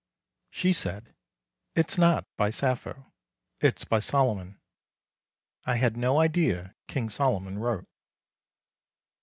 She said, "It's not by Sappho, it's by Solomon." I had no idea King Solomon wrote.